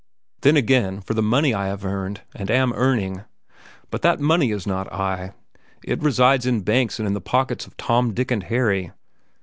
Then again for the money I have earned and am earning. But that money is not I. It resides in banks and in the pockets of Tom, Dick, and Harry.